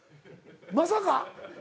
まさか？